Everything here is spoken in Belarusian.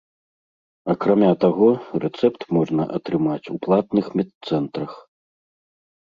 Акрамя таго, рэцэпт можна атрымаць у платных медцэнтрах.